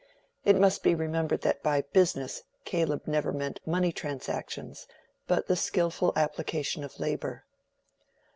It must be remembered that by "business" Caleb never meant money transactions, but the skilful application of labor.